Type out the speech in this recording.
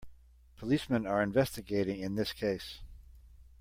Policemen are investigating in this case.